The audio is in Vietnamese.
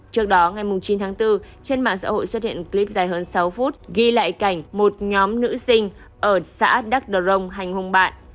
trước đó ngày chín tháng bốn trên mạng xã hội xuất hiện clip dài hơn sáu phút ghi lại cảnh một nhóm nữ sinh ở xã đắk đờ rồng hành hùng bạn